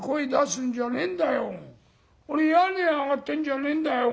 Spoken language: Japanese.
俺屋根上がってんじゃねえんだよ。